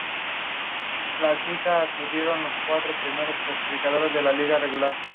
Ramón Rivas.